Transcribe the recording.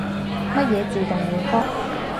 乜嘢自動回覆？